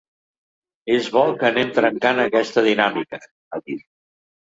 És bo que anem trencant aquesta dinàmica, ha dit.